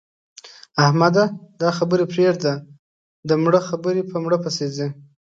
احمده! دا خبرې پرېږده؛ د مړه خبرې په مړه پسې ځي.